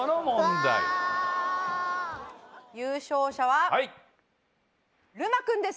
優勝者はるま君です。